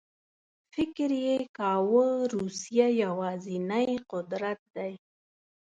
فکر یې کاوه روسیه یوازینی قدرت دی.